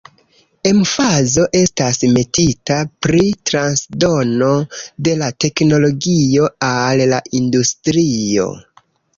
Emfazo estas metita pri transdono de la teknologio al la industrio.